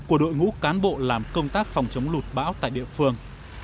của đội ngũ cán bộ làm công tác phòng chống lụt bão tại địa phương